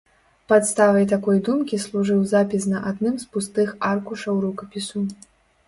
Падставай такой думкі служыў запіс на адным з пустых аркушаў рукапісу.